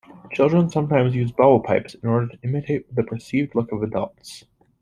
Children sometimes use bubble pipes in order to imitate the perceived look of adults.